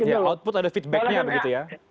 ya output ada feedbacknya begitu ya